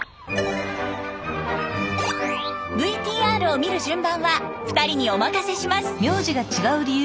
ＶＴＲを見る順番は２人にお任せします。